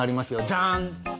じゃん！